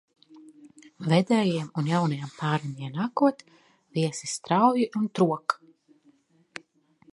Ved?jiem un jaunajam p?rim ien?kot, viesi strauji un trok